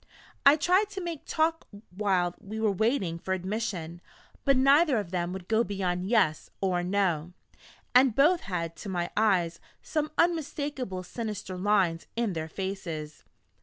I tried to make them talk while we were waiting for admission, but neither of them would go beyond "Yes," or "No"; and both had, to my eyes, some unmistakably sinister lines in their faces.